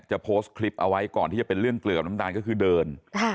โพสต์คลิปเอาไว้ก่อนที่จะเป็นเรื่องเกลือกับน้ำตาลก็คือเดิน